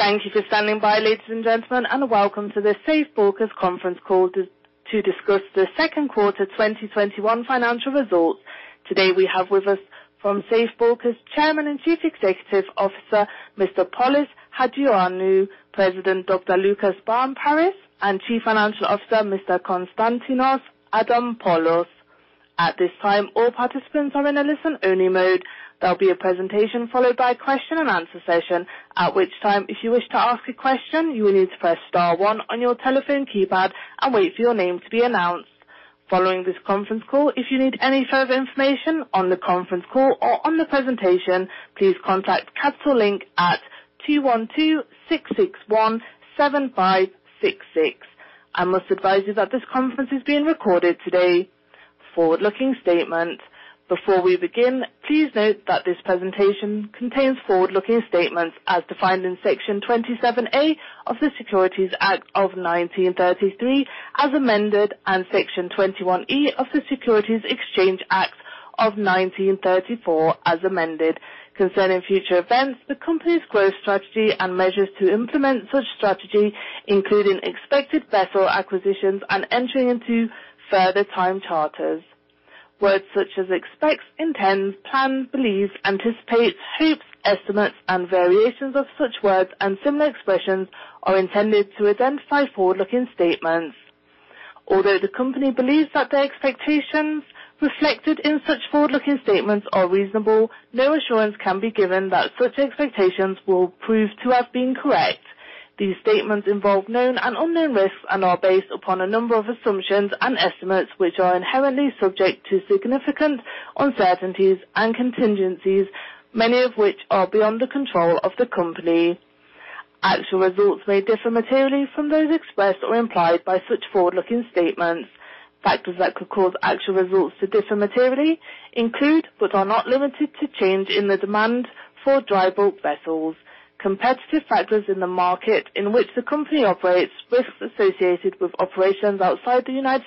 Thank you for standing by, ladies and gentlemen, and welcome to the Safe Bulkers conference call to discuss the second quarter 2021 financial results. Today, we have with us from Safe Bulkers, Chairman and Chief Executive Officer, Mr. Polys Hajioannou, President, Dr. Loukas Barmparis, and Chief Financial Officer, Mr. Konstantinos Adamopoulos. At this time, all participants are in a listen-only mode. There'll be a presentation followed by question and answer session. At which time, if you wish to ask a question, you will need to press star one on your telephone keypad and wait for your name to be announced. Following this conference call, if you need any further information on the conference call or on the presentation, please contact Capital Link at 212-661-7566. I must advise you that this conference is being recorded today. Forward-looking statement. Before we begin, please note that this presentation contains forward-looking statements as defined in Section 27A of the Securities Act of 1933, as amended, and Section 21E of the Securities Exchange Act of 1934, as amended, concerning future events, the company's growth strategy and measures to implement such strategy, including expected vessel acquisitions and entering into further time charters. Words such as expects, intends, plans, believes, anticipates, hopes, estimates, and variations of such words and similar expressions are intended to identify forward-looking statements. Although the company believes that their expectations reflected in such forward-looking statements are reasonable, no assurance can be given that such expectations will prove to have been correct. These statements involve known and unknown risks and are based upon a number of assumptions and estimates, which are inherently subject to significant uncertainties and contingencies, many of which are beyond the control of the company. Actual results may differ materially from those expressed or implied by such forward-looking statements. Factors that could cause actual results to differ materially include, but are not limited to, change in the demand for dry bulk vessels, competitive factors in the market in which the company operates, risks associated with operations outside the U.S.,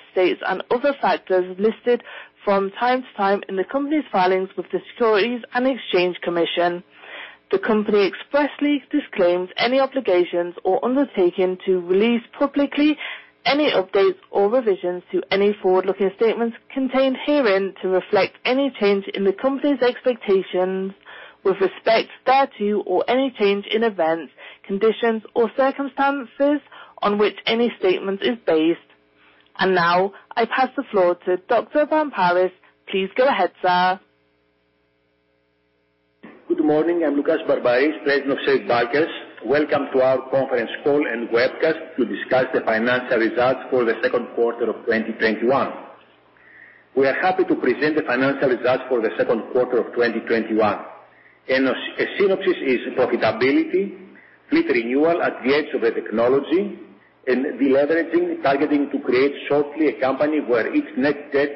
and other factors listed from time to time in the company's filings with the Securities and Exchange Commission. The company expressly disclaims any obligations or undertaking to release publicly any updates or revisions to any forward-looking statements contained herein to reflect any change in the company's expectations with respect thereto, or any change in events, conditions, or circumstances on which any statement is based. Now, I pass the floor to Dr. Barmparis. Please go ahead, sir. Good morning. I'm Loukas Barmparis, President of Safe Bulkers. Welcome to our conference call and webcast to discuss the financial results for the second quarter of 2021. We are happy to present the financial results for the second quarter of 2021. A synopsis is profitability, fleet renewal at the edge of the technology, and de-leveraging, targeting to create shortly a company where its net debt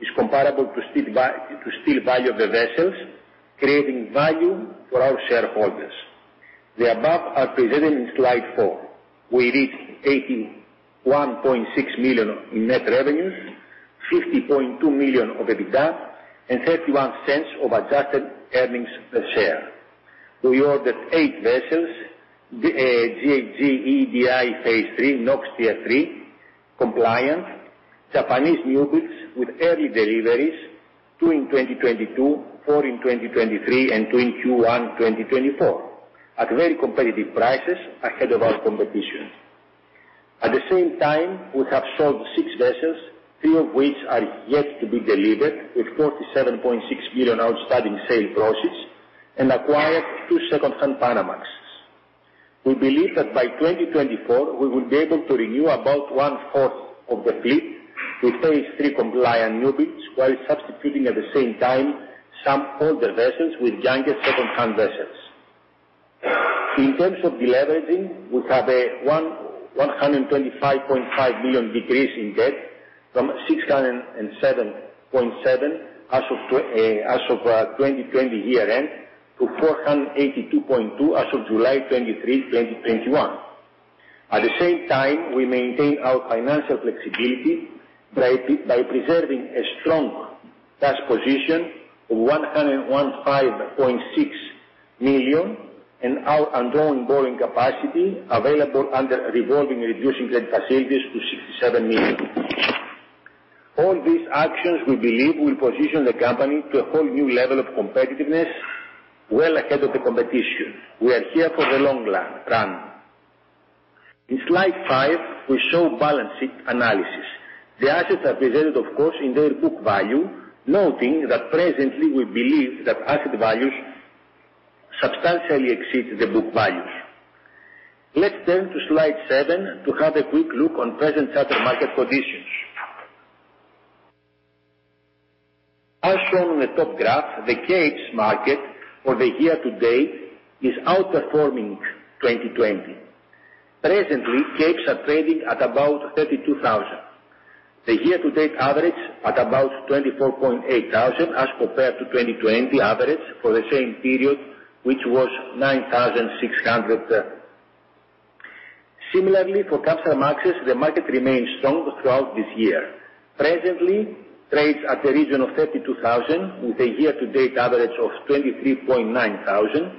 is comparable to steel value of the vessels, creating value for our shareholders. The above are presented in slide 4. We reached $81.6 million in net revenues, $50.2 million of EBITDA, and $0.31 of adjusted earnings per share. We ordered eight vessels, GHGEEDI EEDI phase III NOx Tier III compliant, Japanese newbuilds with early deliveries, two in 2022, four in 2023, and two in Q1 2024, at very competitive prices ahead of our competition. At the same time, we have sold six vessels, three of which are yet to be delivered with $47.6 million outstanding sale proceeds, and acquired two secondhand Panamax. We believe that by 2024, we will be able to renew about one-fourth of the fleet with phase III compliant newbuilds while substituting at the same time some older vessels with younger secondhand vessels. In terms of deleveraging, we have a $125.5 million decrease in debt from $607.7 million as of our 2020 year-end to $482.2 million as of July 23rd, 2021. At the same time, we maintain our financial flexibility by preserving a strong cash position of $105.6 million and our undrawn borrowing capacity available under revolving and reducing credit facilities to $67 million. All these actions, we believe, will position the company to a whole new level of competitiveness well ahead of the competition. We are here for the long run. In slide 5, we show balance sheet analysis. The assets are presented, of course, in their book value, noting that presently we believe that asset values substantially exceed the book values. Let's turn to slide 7 to have a quick look on present charter market conditions. As shown on the top graph, the Capes market for the year to date is outperforming 2020. Presently, Capes are trading at about $32,000. The year to date average at about $24.8 thousand as compared to 2020 average for the same period, which was $9,600. Similarly, for Capesize and Maxes, the market remains strong throughout this year. Presently, trades at the region of $32,000 with a year-to-date average of $23.9 thousand,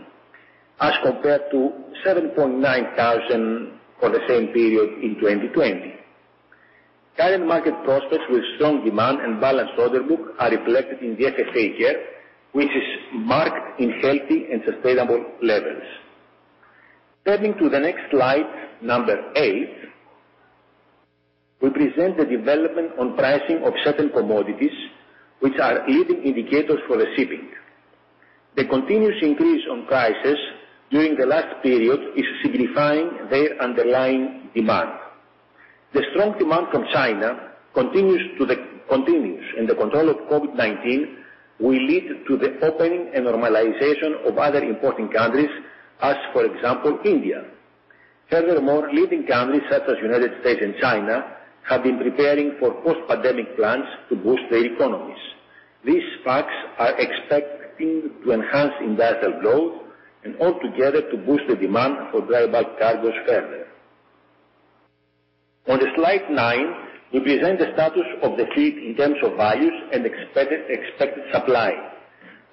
as compared to $7.9 thousand for the same period in 2020. Current market prospects with strong demand and balanced order book are reflected in the FFA here, which is marked in healthy and sustainable levels. Turning to the next slide, number eight, we present the development on pricing of certain commodities, which are leading indicators for the shipping. The continuous increase on prices during the last period is signifying their underlying demand. The strong demand from China continues, and the control of COVID-19 will lead to the opening and normalization of other important countries, as for example, India. Furthermore, leading countries such as United States and China have been preparing for post-pandemic plans to boost their economies. These facts are expecting to enhance in global growth and altogether to boost the demand for dry bulk cargos further. On the slide 9, we present the status of the fleet in terms of values and expected supply.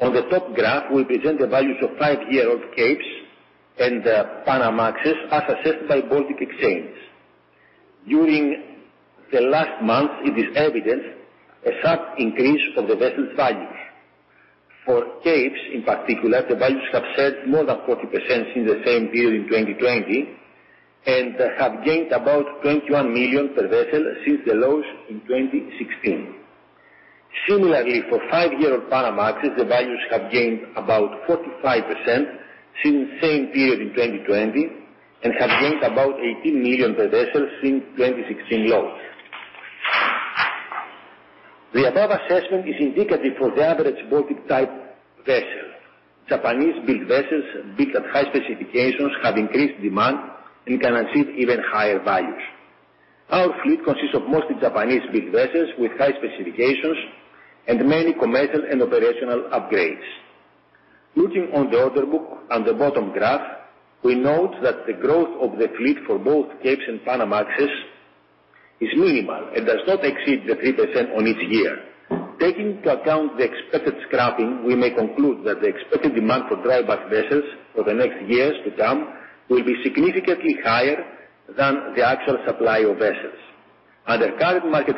On the top graph, we present the values of five year-old Capes and the Panamax as assessed by Baltic Exchange. During the last month, it is evident a sharp increase of the vessels value. For Capes, in particular, the values have surged more than 40% in the same period in 2020 and have gained about $21 million per vessel since the lows in 2016. Similarly, for five-year old Panamax, the values have gained about 45% since same period in 2020 and have gained about $18 million per vessel since 2016 lows. The above assessment is indicative for the average Baltic type vessel. Japanese-built vessels built at high specifications have increased demand and can achieve even higher values. Our fleet consists of mostly Japanese-built vessels with high specifications and many commercial and operational upgrades. Looking on the order book on the bottom graph, we note that the growth of the fleet for both Capes and Panamax is minimal and does not exceed the 3% on each year. Taking into account the expected scrapping, we may conclude that the expected demand for dry bulk vessels for the next years to come will be significantly higher than the actual supply of vessels. Under current market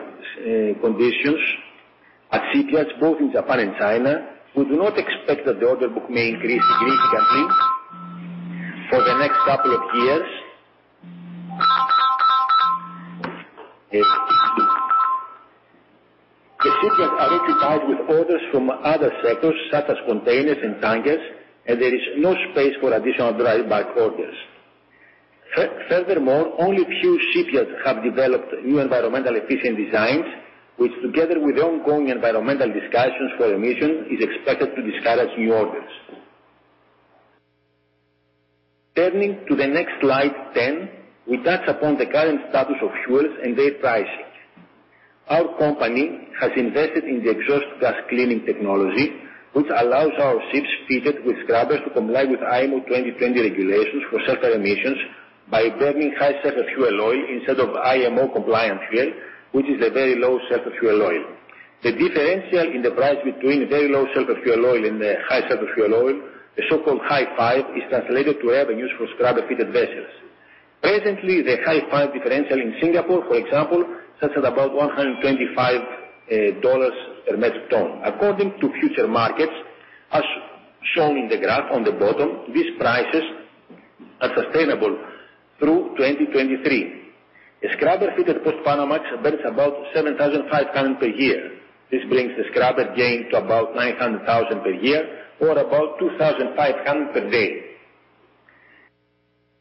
conditions at shipyards, both in Japan and China, we do not expect that the order book may increase significantly for the next couple of years. The shipyards are occupied with orders from other sectors, such as containers and tankers, and there is no space for additional dry bulk orders. Furthermore, only few shipyards have developed new environmental efficient designs, which together with the ongoing environmental discussions for emission, is expected to discourage new orders. Turning to the next slide 10, we touch upon the current status of fuels and their pricing. Our company has invested in the exhaust gas cleaning technology, which allows our ships fitted with scrubbers to comply with IMO 2020 regulations for sulfur emissions by burning High Sulfur Fuel Oil instead of IMO compliant fuel, which is a Very Low Sulfur Fuel Oil. The differential in the price between Very Low Sulfur Fuel Oil and the High Sulfur Fuel Oil, the so-called Hi-5, is translated to revenues for scrubber-fitted vessels. Presently, the Hi-5 differential in Singapore, for example, stands at about $125 per metric ton. According to future markets, as shown in the graph on the bottom, these prices are sustainable through 2023. A scrubber-fitted Post-Panamax burns about $7,500 per year. This brings the scrubber gain to about $900,000 per year or about $2,500 per day.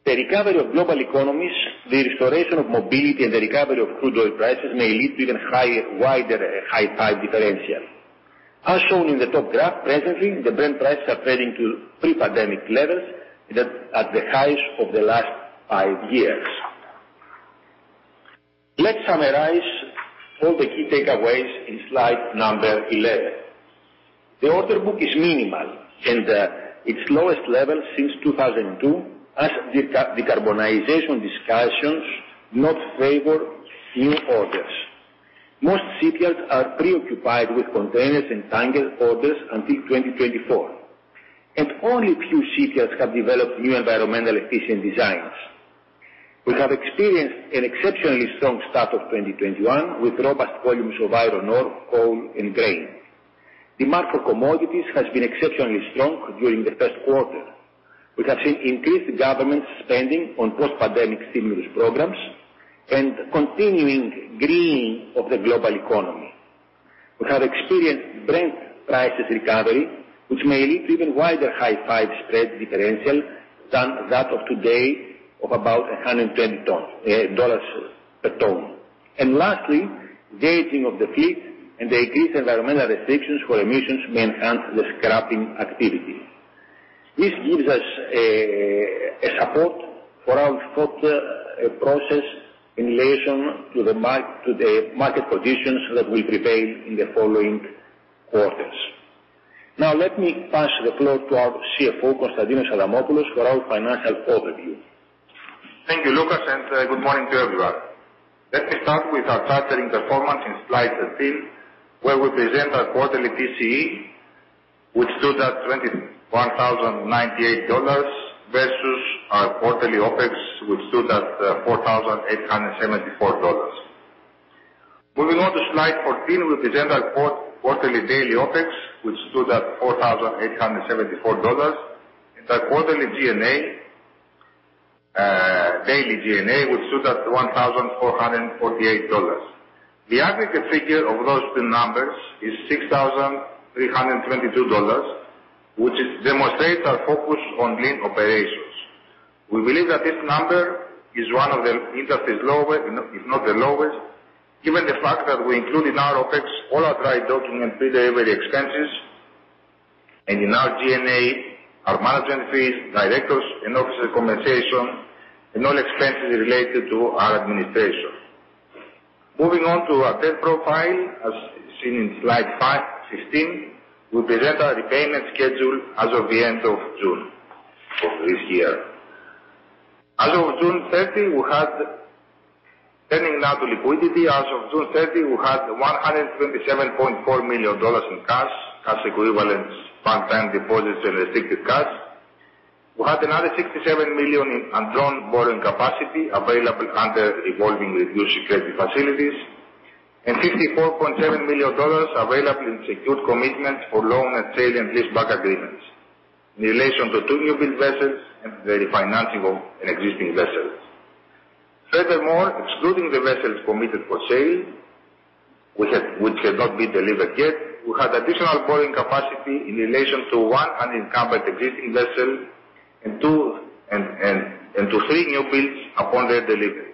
The recovery of global economies, the restoration of mobility, and the recovery of crude oil prices may lead to even higher, wider Hi-5 spread. As shown in the top graph, presently, the Brent prices are trading to pre-pandemic levels and at the highs of the last five years. Let's summarize all the key takeaways in slide number 11. The order book is minimal and at its lowest level since 2002, as decarbonization discussions not favor new orders. Most shipyards are preoccupied with containers and tanker orders until 2024, and only few shipyards have developed new environmental efficient designs. We have experienced an exceptionally strong start of 2021 with robust volumes of iron ore, coal, and grain. Demand for commodities has been exceptionally strong during the first quarter. We have seen increased government spending on post-pandemic stimulus programs and continuing greening of the global economy. We have experienced Brent prices recovery, which may lead to even wider Hi-5 spread differential than that of today of about $120 per ton. Lastly, the aging of the fleet and the increased environmental restrictions for emissions may enhance the scrapping activity. This gives us a support for our thought process in relation to the market conditions that will prevail in the following quarters. Now let me pass the floor to our CFO, Konstantinos Adamopoulos, for our financial overview. Thank you, Loukas, and good morning to everyone. Let me start with our chartering performance in slide 13, where we present our quarterly TCE, which stood at $21,098 versus our quarterly OpEx, which stood at $4,874. Moving on to slide 14, we present our quarterly daily OpEx, which stood at $4,874, and our quarterly G&A, daily G&A, which stood at $1,448. The aggregate figure of those two numbers is $6,322, which demonstrates our focus on lean operations. We believe that this number is one of the industry's lowest, if not the lowest, given the fact that we include in our OpEx all our dry docking and free delivery expenses and in our G&A, our management fees, directors and officers' compensation, and all expenses related to our administration. Moving on to our debt profile, as seen in slide 15, we present our repayment schedule as of the end of June of this year. Turning now to liquidity, as of June 30, we had $127.4 million in cash equivalents, bank term deposits and restricted cash. We had another $67 million in undrawn borrowing capacity available under revolving reduced security facilities and $54.7 million available in secured commitments for loan and sale and leaseback agreements in relation to two newbuild vessels and the refinancing of an existing vessel. Excluding the vessels permitted for sale, which had not been delivered yet, we had additional borrowing capacity in relation to one unencumbered existing vessel and to three newbuilds upon their delivery.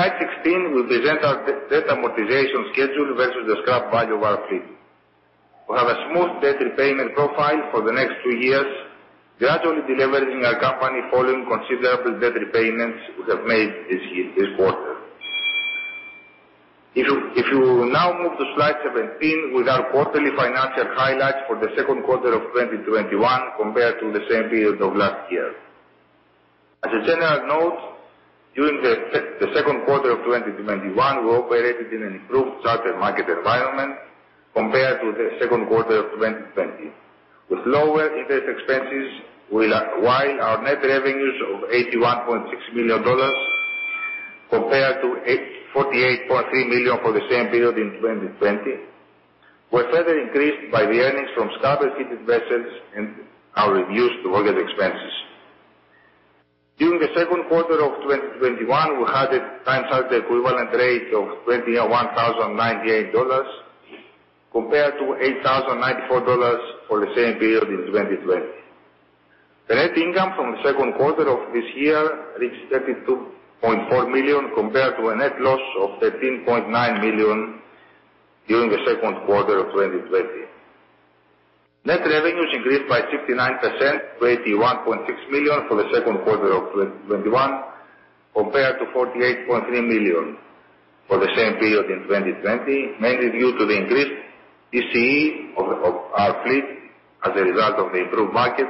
Slide 16, we present our debt amortization schedule versus the scrap value of our fleet. We have a smooth debt repayment profile for the next two years, gradually de-leveraging our company following considerable debt repayments we have made this quarter. If you now move to slide 17 with our quarterly financial highlights for the second quarter of 2021 compared to the same period of last year. As a general note, during the second quarter of 2021, we operated in an improved charter market environment compared to the second quarter of 2020. With lower interest expenses, while our net revenues of $81.6 million compared to $48.3 million for the same period in 2020 were further increased by the earnings from scrubber-fitted vessels and our reduced voyage expenses. During the second quarter of 2021, we had a time charter equivalent rate of $21,098 compared to $8,094 for the same period in 2020. The net income from the second quarter of this year reached $32.4 million compared to a net loss of $13.9 million during the second quarter of 2020. Net revenues increased by 59% to $81.6 million for the second quarter of 2021 compared to $48.3 million for the same period in 2020, mainly due to the increased TCE of our fleet as a result of the improved market,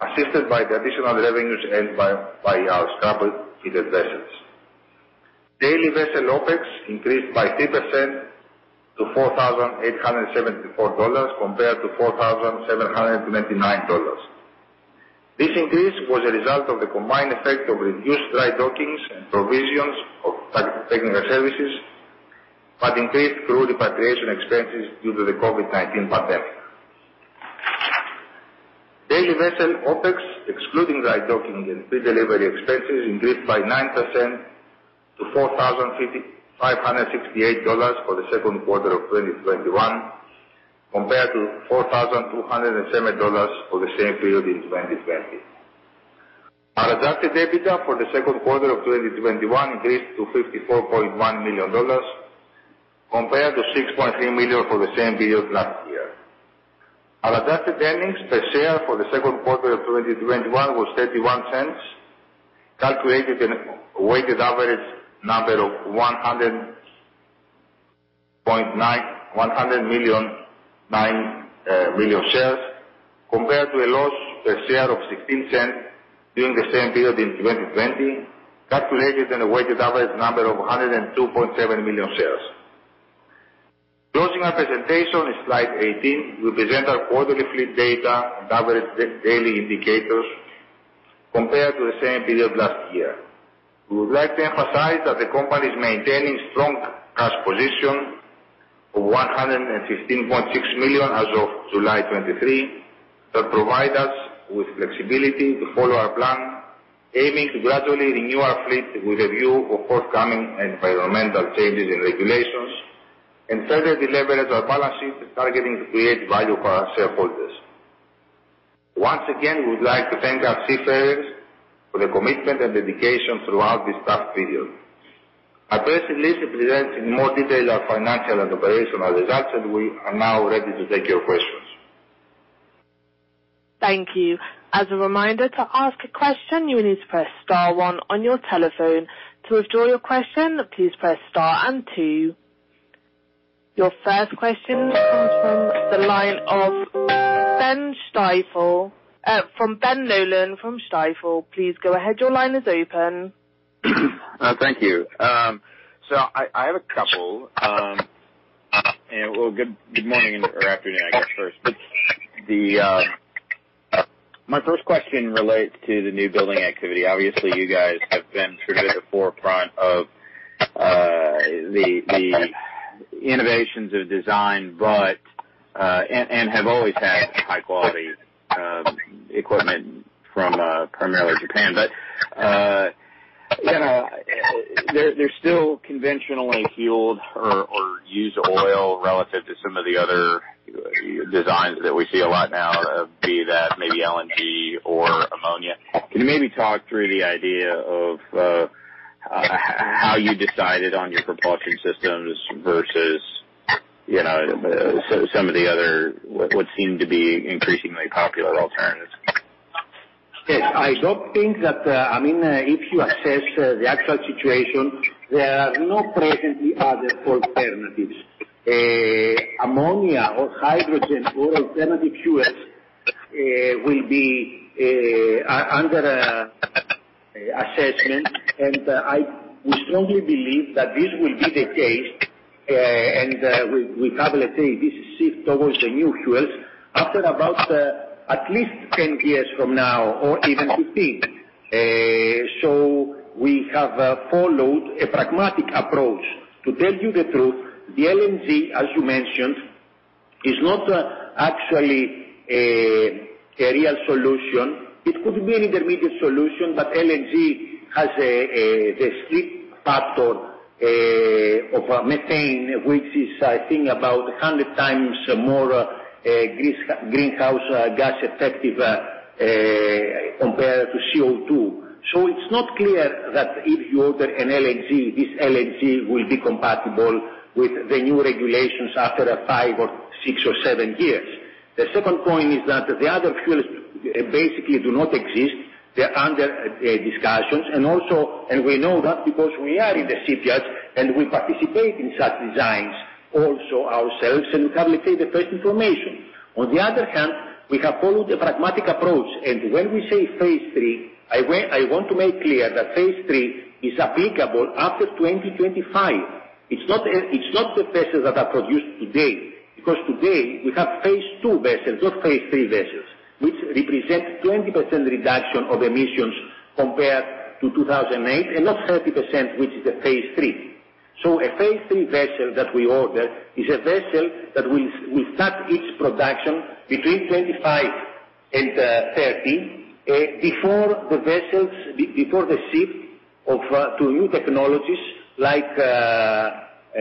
assisted by the additional revenues earned by our scrubber-fitted vessels. Daily vessel OpEx increased by 3% to $4,874 compared to $4,799. This increase was a result of the combined effect of reduced dry dockings and provisions of technical services, but increased crew repatriation expenses due to the COVID-19 pandemic. Daily vessel OpEx, excluding dry docking and free delivery expenses, increased by 9% to $4,568 for the second quarter of 2021 compared to $4,207 for the same period in 2020. Our adjusted EBITDA for the second quarter of 2021 increased to $54.1 million compared to $6.3 million for the same period last year. Our adjusted earnings per share for the second quarter of 2021 was $0.31, calculated in a weighted average number of 109 million shares compared to a loss per share of $0.16 during the same period in 2020, calculated in a weighted average number of 102.7 million shares. Closing our presentation in slide 18, we present our quarterly fleet data and average daily indicators compared to the same period last year. We would like to emphasize that the company is maintaining strong cash position of $115.6 million as of July 23 that provide us with flexibility to follow our plan, aiming to gradually renew our fleet with a view of forthcoming environmental changes in regulations and further de-leverage our balance sheet targeting to create value for our shareholders. Once again, we would like to thank our seafarers for the commitment and dedication throughout this tough period. Our press release represents in more detail our financial and operational results. We are now ready to take your questions. Thank you. As a reminder to ask a question, you need to press start one on your telephone. To withdraw your question, please press star and two. Your first question comes from the line of Ben Nolan from Stifel. Please go ahead. Your line is open. Thank you. I have a couple. Well, good morning or afternoon, I guess, first. My first question relates to the new building activity. Obviously, you guys have been sort of at the forefront of the innovations of design and have always had high-quality equipment from primarily Japan. They're still conventionally fueled or use oil relative to some of the other designs that we see a lot now, be that maybe LNG or ammonia. Can you maybe talk through the idea of how you decided on your propulsion systems versus some of the other, what seem to be increasingly popular alternatives? Yes. If you assess the actual situation, there are not presently other alternatives. Ammonia or hydrogen or alternative fuels will be under assessment and we strongly believe that this will be the case, and we facilitate this shift towards the new fuels after about at least 10-years from now or even 15. We have followed a pragmatic approach. To tell you the truth, the LNG, as you mentioned, is not actually a real solution. It could be an intermediate solution, but LNG has the steep factor of methane, which is, I think, about 100 times more greenhouse gas effective compared to CO2. It's not clear that if you order an LNG, this LNG will be compatible with the new regulations after five or six or seven years. The second point is that the other fuels basically do not exist. They're under discussions, and we know that because we are in the shipyards and we participate in such designs also ourselves, and we have the first information. On the other hand, we have followed a pragmatic approach, and when we say phase III, I want to make clear that phase III is applicable after 2025. It's not the vessels that are produced today, because today we have phase II vessels, not phase III vessels, which represent 20% reduction of emissions compared to 2008 and not 30%, which is the phase III. A phase III vessel that we order is a vessel that will start its production between 2025 and 2030, before the shift of two new technologies like, I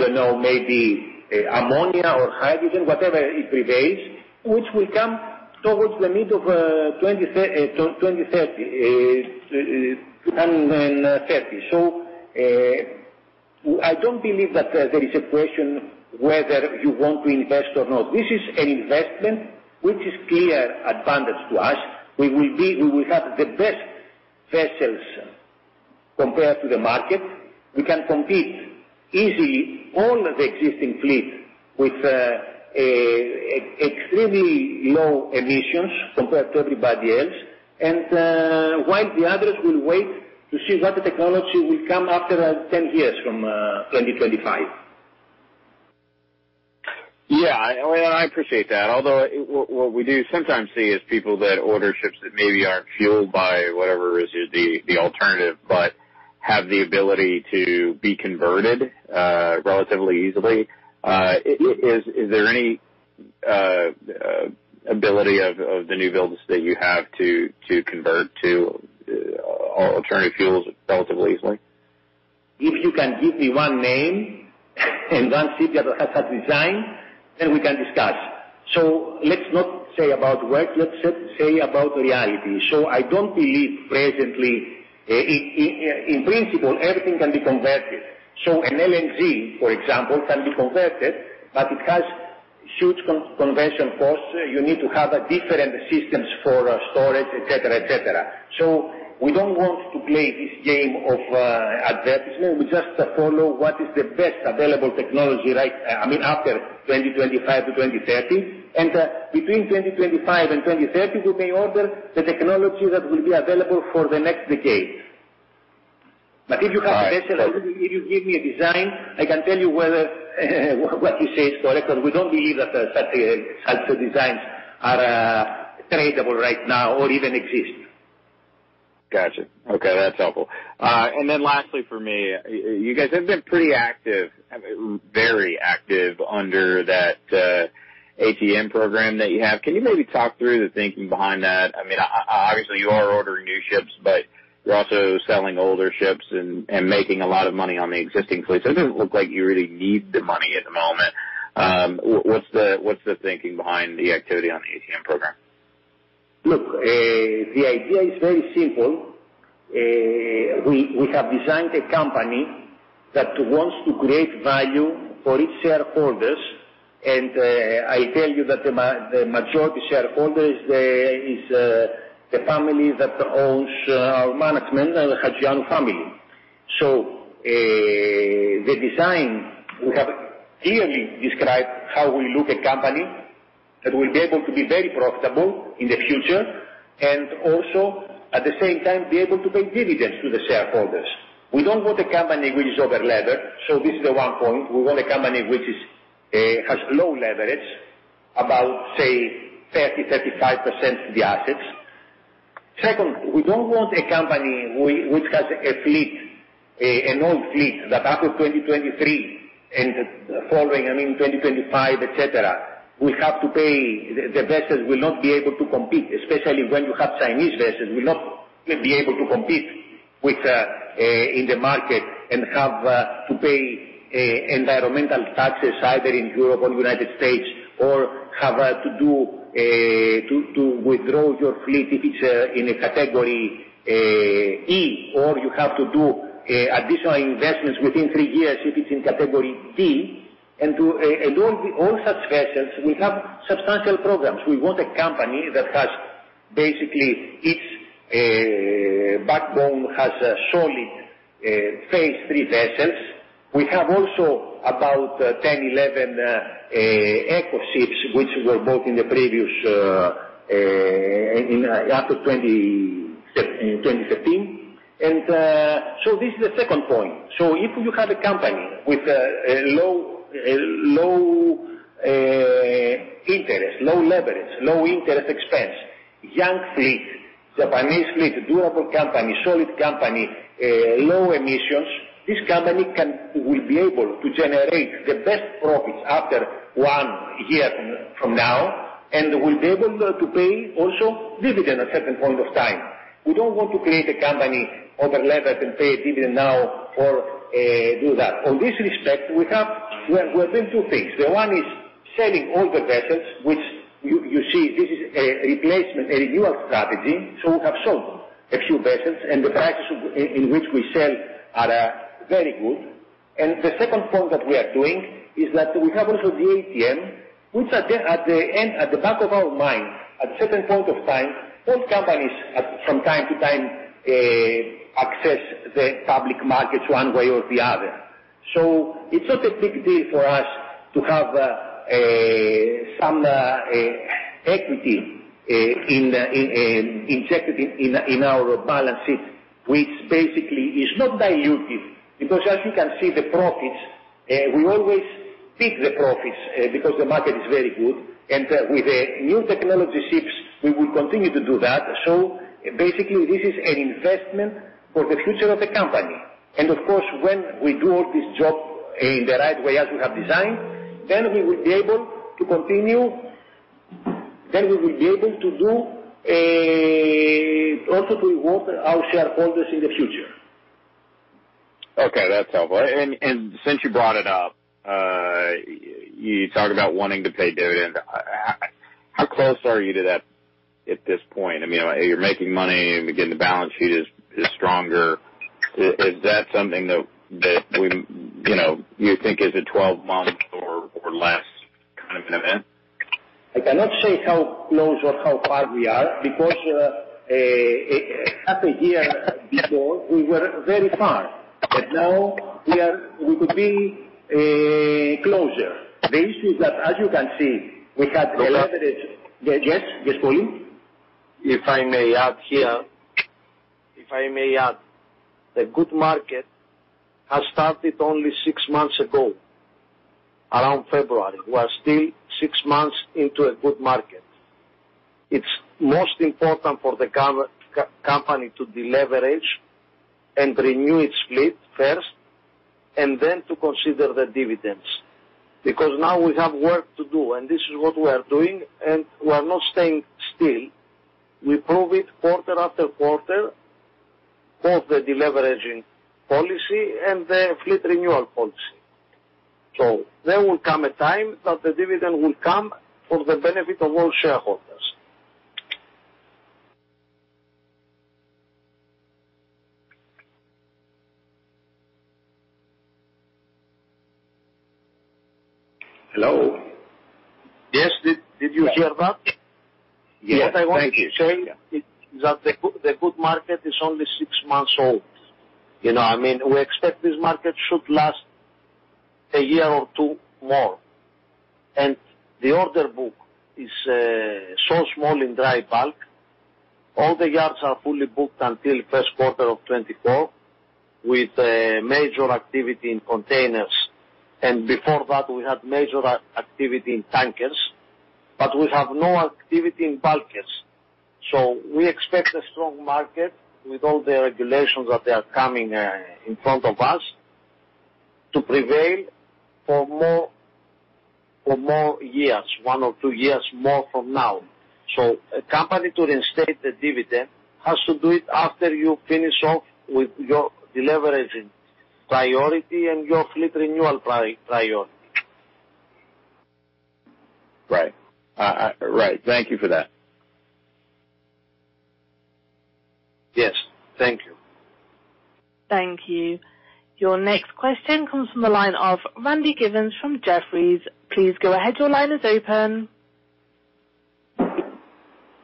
don't know, maybe ammonia or hydrogen, whatever it prevails, which will come towards the middle of 2030. I don't believe that there is a question whether you want to invest or not. This is an investment which is clear advantage to us. We will have the best vessels compared to the market. We can compete easily all of the existing fleet with extremely low emissions compared to everybody else. While the others will wait to see what technology will come after 10-years from 2025. Yeah. I appreciate that. What we do sometimes see is people that order ships that maybe aren't fueled by whatever is the alternative, but have the ability to be converted relatively easily. Is there any ability of the new builds that you have to convert to alternative fuels relatively easily? If you can give me one name and one shipyard that has that design, then we can discuss. Let's not say about work, let's say about reality. I don't believe presently. In principle, everything can be converted. An LNG, for example, can be converted, but it has huge conversion costs. You need to have different systems for storage, et cetera. We don't want to play this game of advertisement. We just follow what is the best available technology after 2025-2030. Between 2025 and 2030, we may order the technology that will be available for the next decade. If you have a vessel or if you give me a design, I can tell you whether what you say is correct, because we don't believe that such designs are tradable right now or even exist. Got you. Okay, that's helpful. Lastly for me, you guys have been pretty active, very active under that ATM program that you have. Can you maybe talk through the thinking behind that? Obviously, you are ordering new ships, but you're also selling older ships and making a lot of money on the existing fleet. It doesn't look like you really need the money at the moment. What's the thinking behind the activity on the ATM program? The idea is very simple. We have designed a company that wants to create value for its shareholders, and I tell you that the majority shareholder is the family that owns our management, the Hajioannou family. The design, we have clearly described how we look a company that will be able to be very profitable in the future, and also at the same time, be able to pay dividends to the shareholders. We don't want a company which is over-levered, so this is the one point. We want a company which has low leverage, about, say, 30%, 35% of the assets. Second, we don't want a company which has an old fleet that after 2023 and following, I mean 2025, et cetera, the vessels will not be able to compete, especially when you have Chinese vessels, will not be able to compete in the market and have to pay environmental taxes either in Europe or U.S., or have to withdraw your fleet if it's in a category E, or you have to do additional investments within three years if it's in category D. All such vessels will have substantial programs. We want a company that has basically its backbone has solid phase III vessels. We have also about 10, 11 eco ships which were bought after 2013. This is the second point. If you have a company with low interest, low leverage, low interest expense, young fleet, Japanese fleet, durable company, solid company, low emissions, this company will be able to generate the best profits after one year from now, and will be able to pay also dividend at certain point of time. We don't want to create a company over-levered and pay a dividend now, or do that. On this respect, we have done two things. The one is selling older vessels, which you see this is a replacement, a renewal strategy. We have sold a few vessels, and the prices in which we sell are very good. The second point that we are doing is that we have also the ATM, which at the back of our mind, at a certain point of time, all companies from time to time access the public markets one way or the other. It's not a big deal for us to have some equity injected in our balance sheet, which basically is not dilutive because as you can see the profits, we always pick the profits because the market is very good and with the new technology ships, we will continue to do that. Basically, this is an investment for the future of the company. Of course, when we do all this job in the right way as we have designed, we will be able to do also to reward our shareholders in the future. Okay. That's helpful. Since you brought it up, you talk about wanting to pay dividend. How close are you to that at this point? You're making money and again, the balance sheet is stronger. Is that something that you think is a 12-month or less kind of an event? I cannot say how close or how far we are because half a year before, we were very far, now we could be closer. The issue is that as you can see, we had the leverage. Yes, Polys? If I may add here. If I may add, the good market has started only six months ago, around February. We are still six months into a good market. It's most important for the company to deleverage and renew its fleet first, and then to consider the dividends because now we have work to do, and this is what we are doing, and we are not staying still. We prove it quarter after quarter, both the deleveraging policy and the fleet renewal policy. There will come a time that the dividend will come for the benefit of all shareholders. Hello. Yes. Did you hear that? Yes. Thank you. What I wanted to say is that the good market is only six months old. We expect this market should last a year or two more. The order book is so small in dry bulk. All the yards are fully booked until first quarter of 2024 with major activity in containers. Before that, we had major activity in tankers, but we have no activity in bulkers. We expect a strong market with all the regulations that are coming in front of us to prevail for more years, one or two years more from now. A company to reinstate the dividend has to do it after you finish off with your deleveraging priority and your fleet renewal priority. Right. Thank you for that. Yes. Thank you. Thank you. Your next question comes from the line of Randy Giveans from Jefferies. Please go ahead. Your line is open.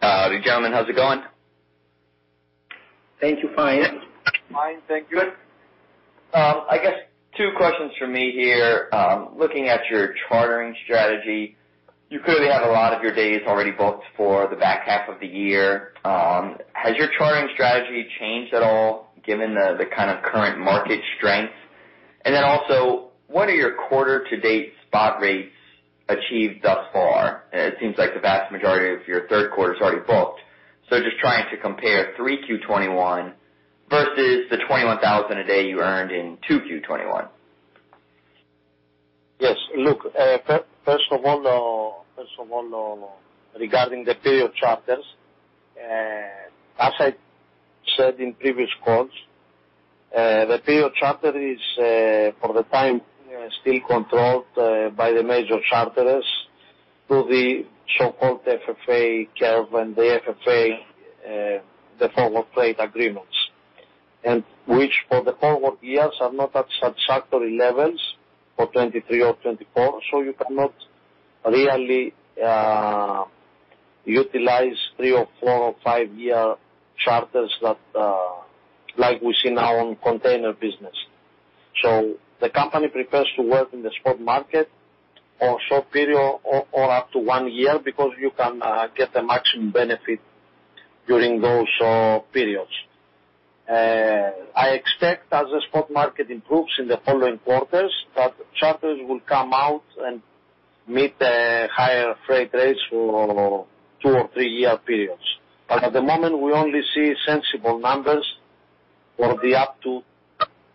Hi, gentlemen. How is it going? Thank you. Fine. Fine. Thank you. Good. I guess two questions from me here. Looking at your chartering strategy, you clearly have a lot of your days already booked for the back half of the year. Has your chartering strategy changed at all given the kind of current market strength? What are your quarter-to-date spot rates achieved thus far? It seems like the vast majority of your third quarter is already booked. Just trying to compare 3Q 2021 versus the $21,000 a day you earned in 2Q 2021. Yes. Look, first of all, regarding the period charters, as I said in previous calls, the period charter is, for the time, still controlled by the major charterers through the so-called FFA curve and the FFA, the forward freight agreements. Which for the forward years are not at satisfactory levels for 2023 or 2024, so you cannot really utilize three or four or five year charters like we see now on container business. The company prefers to work in the spot market or short period or up to one year because you can get the maximum benefit during those periods. I expect as the spot market improves in the following quarters, that charters will come out and meet higher freight rates for two or three-year periods. At the moment, we only see sensible numbers for the up to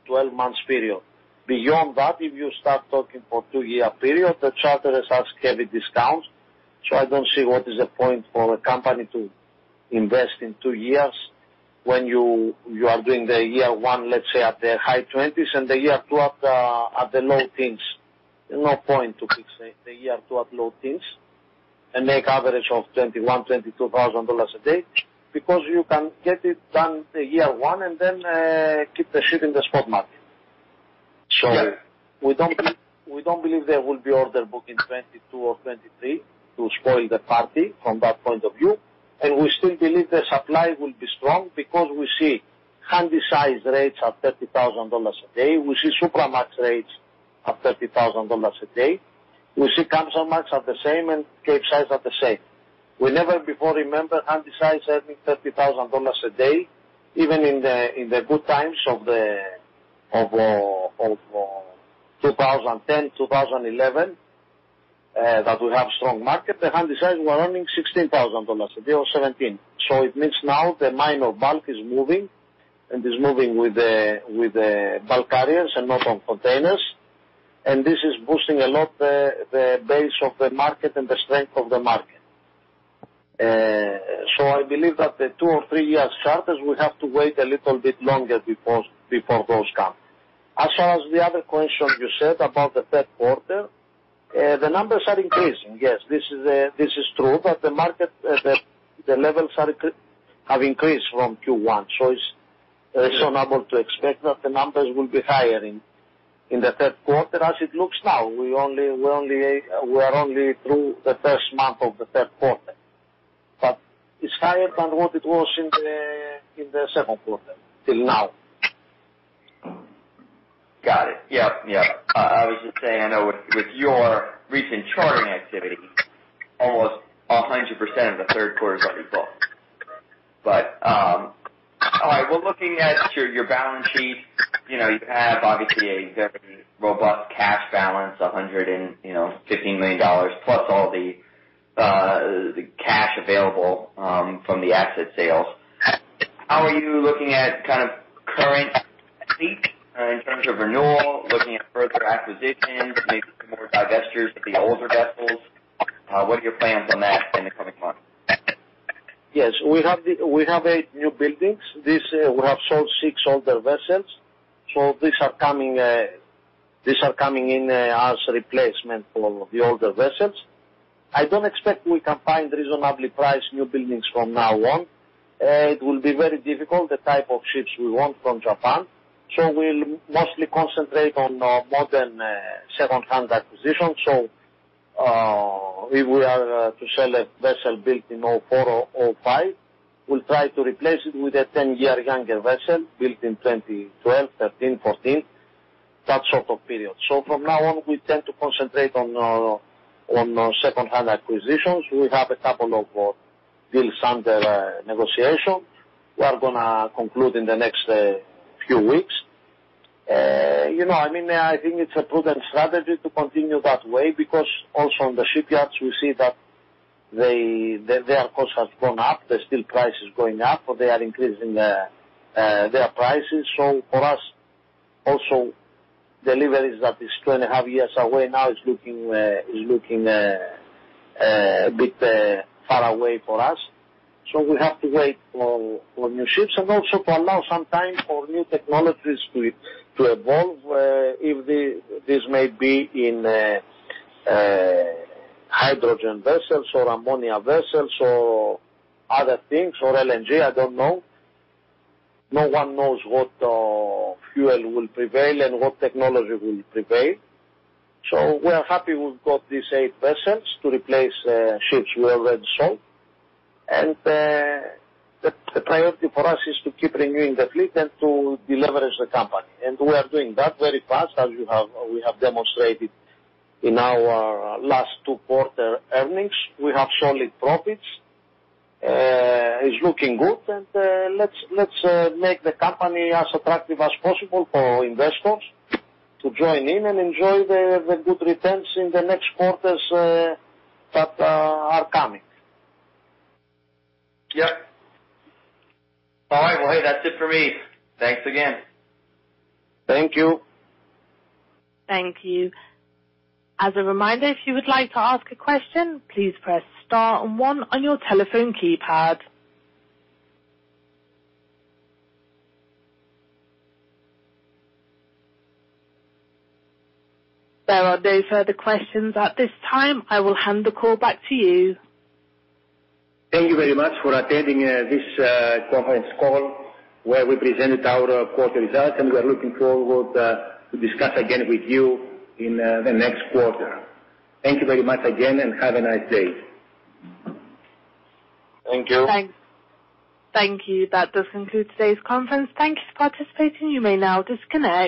12-months period. Beyond that, if you start talking for two year period, the charterers ask heavy discounts. I don't see what is the point for a company to invest in two years when you are doing the year one, let's say, at the high 20s and the year two at the low teens. There is no point to fix the year two at low teens and make average of $21,000-$22,000 a day because you can get it done the year one and then keep the ship in the spot market. We don't believe there will be order book in 2022 or 2023 to spoil the party from that point of view. We still believe the supply will be strong because we see Handysize rates are $30,000 a day. We see Supramax rates of $30,000 a day. We see Kamsarmax at the same and Capesize at the same. We never before remember Handysize earning $30,000 a day, even in the good times of 2010, 2011, that we have strong market. The Handysize were earning $16,000 a day or $17. It means now the mine of bulk is moving and is moving with the bulk carriers and not on containers. This is boosting a lot the base of the market and the strength of the market. I believe that the two or three year charters will have to wait a little bit longer before those come. As far as the other question you said about the third quarter, the numbers are increasing. Yes, this is true, that the levels have increased from Q1. It's reasonable to expect that the numbers will be higher in the third quarter as it looks now. We are only through the first month of the third quarter. It's higher than what it was in the second quarter until now. Got it. Yep. I was just saying, I know with your recent chartering activity, almost 100% of the third quarter is already booked. All right. Looking at your balance sheet, you have obviously a very robust cash balance, $150 million plus all the cash available from the asset sales. How are you looking at kind of current in terms of renewal, looking at further acquisitions, maybe more divestitures of the older vessels? What are your plans on that in the coming months? Yes, we have eight new buildings. We have sold six older vessels. These are coming in as replacement for the older vessels. I do not expect we can find reasonably priced new buildings from now on. It will be very difficult, the type of ships we want from Japan. We will mostly concentrate on more than secondhand acquisition. If we are to sell a vessel built in 2004 or 2005, we will try to replace it with a 10-year younger vessel built in 2012, 2013, 2014, that sort of period. From now on, we tend to concentrate on secondhand acquisitions. We have a couple of deals under negotiation. We are going to conclude in the next few weeks. I think it is a prudent strategy to continue that way because also on the shipyards, we see that their cost has gone up. The steel price is going up, or they are increasing their prices. For us, also deliveries that is two and a half years away now is looking a bit far away for us. We have to wait for new ships and also to allow some time for new technologies to evolve, if this may be in hydrogen vessels or ammonia vessels or other things, or LNG, I don't know. No one knows what fuel will prevail and what technology will prevail. We are happy we've got these eight vessels to replace ships we have already sold. The priority for us is to keep renewing the fleet and to deleverage the company. We are doing that very fast as we have demonstrated in our last two quarter earnings. We have solid profits. It's looking good. Let's make the company as attractive as possible for investors to join in and enjoy the good returns in the next quarters that are coming. Yep. All right. Well, hey, that's it for me. Thanks again. Thank you. Thank you. As a reminder, if you would like to ask a question, please press star and one on your telephone keypad. There are no further questions at this time. I will hand the call back to you. Thank you very much for attending this conference call where we presented our quarter results, and we are looking forward to discuss again with you in the next quarter. Thank you very much again, and have a nice day. Thank you. Thanks. Thank you. That does conclude today's conference. Thank you for participating. You may now disconnect.